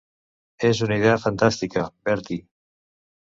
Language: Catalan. És una idea fantàstica, Bertie.